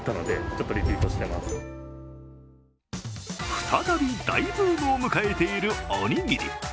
再び大ブームを迎えているおにぎり。